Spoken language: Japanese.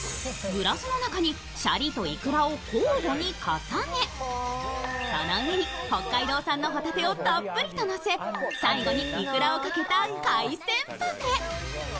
グラスの中にシャリといくらを交互に重ねその上に北海道産のほたてをたっぷりとのせ最後にいくらをかけた海鮮パフェ。